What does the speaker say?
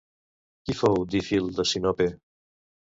Qui fou Dífil de Sinope?